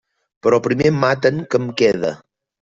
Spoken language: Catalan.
Però primer em maten que em quede.